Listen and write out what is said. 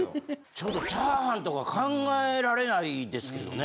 ちょっとチャーハンとか考えられないですけどね。